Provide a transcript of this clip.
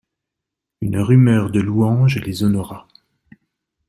Une rumeur de louanges les honora.